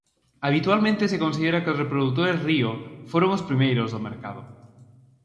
Habitualmente se considera que os reprodutores Rio foron os primeiros do mercado.